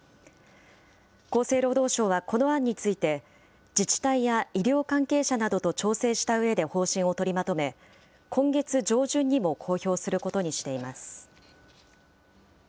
厚生労働省はこの案について、自治体や医療関係者などと調整したうえで方針を取りまとめ、今月上旬にも公表することにしています。